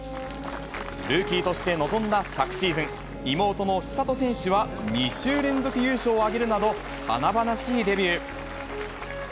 ルーキーとして臨んだ昨シーズン、妹の千怜選手は２週連続優勝を挙げるなど華々しいデビュー。